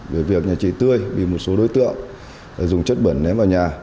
về việc nhà trí tươi bị một số đối tượng dùng chất bẩn ném vào nhà